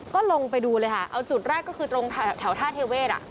ก็ลงไปดูเลยค่ะเอาจุดแรกก็คือตรงแถวท่าเทเวศ